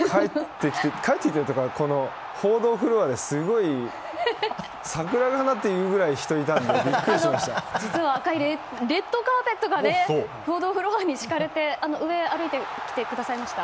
帰ってきて、報道フロアですごい、サクラかな？ってくらい人がいたので実はレッドカーペットが報道フロアに敷かれて上を歩いてきてくださいました？